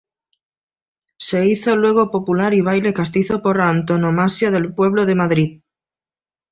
Se hizo luego popular y baile castizo por antonomasia del pueblo de Madrid.